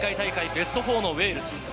ベスト４のウェールズ。